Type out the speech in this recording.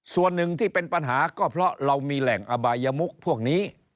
ส่วนหนึ่งที่เป็นปัญหาก็เพราะเรามีแหล่งอบายมุกพวกนี้